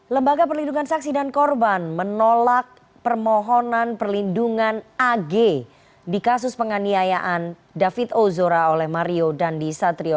lembaga perlindungan saksi dan korban menolak permohonan perlindungan ag di kasus penganiayaan david ozora oleh mario dandi satrio